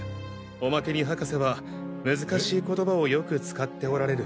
おまけに博士は難しい言葉をよく使っておられる。